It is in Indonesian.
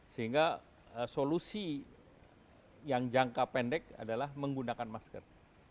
sehingga solusi yang jangka pendek adalah menggunakan masker